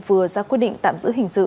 vừa ra quyết định tạm giữ hình sự